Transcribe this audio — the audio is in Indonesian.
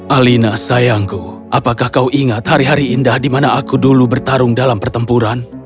alina sayangku apakah kau ingat hari hari indah di mana aku dulu bertarung dalam pertempuran